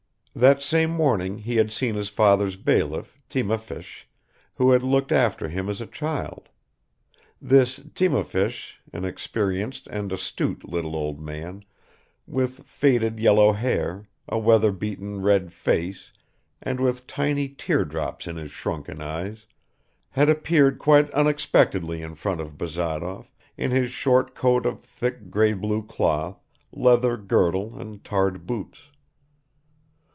That same morning he had seen his father's bailiff, Timofeich, who had looked after him as a child. This Timofeich, an experienced and astute little old man, with faded yellow hair, a weather beaten red face and with tiny teardrops in his shrunken eyes, had appeared quite unexpectedly in front of Bazarov, in his short coat of thick grey blue cloth, leather girdle and tarred boots.